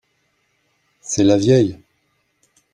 c'est la vieille